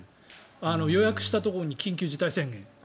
予約したところに緊急事態宣言。